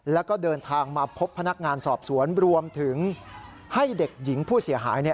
แล้วก็เดินทางมาพบพนักงานสอบสวนรวมถึงให้เด็กหญิงผู้เสียหาย